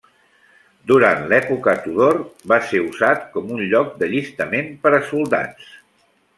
Durant l'època Tudor va ser usat com un lloc d'allistament per a soldats.